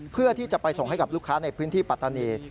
เพื่อที่จะไปส่งให้กับลูกค้าในพื้นที่ปัตตานี